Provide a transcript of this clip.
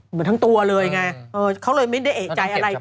เหมือนทั้งตัวเลยไงเขาเลยไม่ได้เอกใจอะไร